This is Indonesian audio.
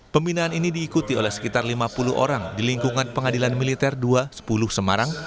pembinaan ini diikuti oleh sekitar lima puluh orang di lingkungan pengadilan militer dua ratus sepuluh semarang